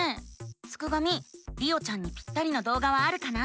すくがミりおちゃんにぴったりな動画はあるかな？